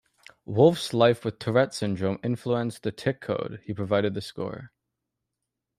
Wolff's life with Tourette syndrome influenced "The Tic Code"; he provided the score.